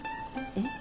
えっ？